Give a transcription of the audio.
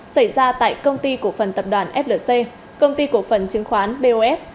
xảy ra tại công ty cổ phần tập đoàn flc công ty cổ phần chứng khoán bos